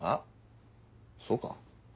そうか？